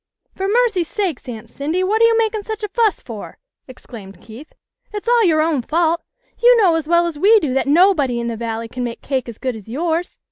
" For mercy sakes, Aunt Cindy, what are you making such a fuss for ?" exclaimed Keith. " It's all your own fault. You know as well as we do that nobody in the Valley can make cake as good as yours.